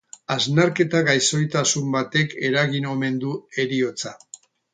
Arnasketa-gaixotasun batek eragin omen du heriotza.